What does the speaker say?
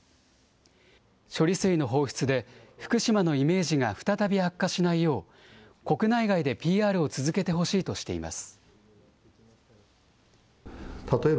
処理水の放出で、福島のイメージが再び悪化しないよう、国内外でＰＲを続けてほしいとしています。